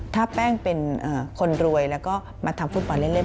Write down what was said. ถ้าแป้งเป็นคนรวยแล้วก็มาทำฟุตบอลเล่น